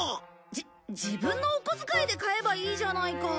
じ自分のお小遣いで買えばいいじゃないか。